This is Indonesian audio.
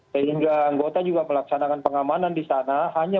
sehingga anggota juga melaksanakan pengamanan di sana